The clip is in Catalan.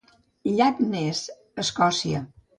Llac Ness, Escòcia.